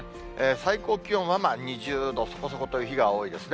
最高気温は２０度そこそこという日が多いですね。